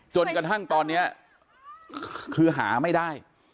จนกระทั่งตอนนี้คือหาไม่ได้